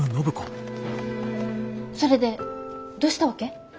それでどうしたわけ？